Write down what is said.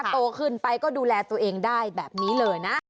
โตขึ้นไปก็ดูแลตัวเองได้แบบนี้เลยนะ